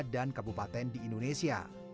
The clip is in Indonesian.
dan kabupaten di indonesia